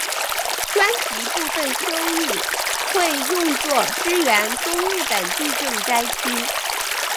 专辑部分收益会用作支援东日本地震灾民。